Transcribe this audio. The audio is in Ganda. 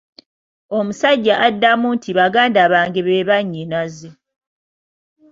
Omusajja addamu nti baganda bange be bannyinaze.